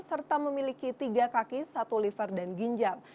serta memiliki tiga kaki satu liver dan ginjal